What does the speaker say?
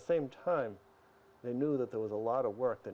setelah saya mendapatkan kemampuan untuk berbicara